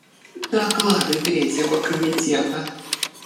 Доклады Третьего комитета.